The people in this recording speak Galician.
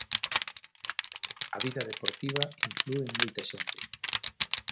A vida deportiva inflúe en moita xente.